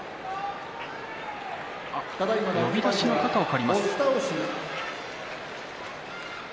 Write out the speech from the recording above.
呼出しの肩を借ります。